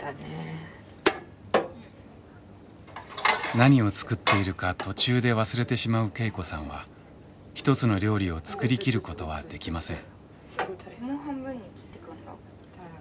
何を作っているか途中で忘れてしまう恵子さんは一つの料理を作り切ることはできません。